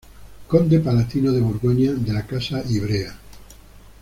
Conde Palatino de Borgoña de la Casa Ivrea.